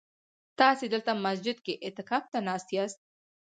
تاسي دلته مسجد کي اعتکاف ته ناست ياست؟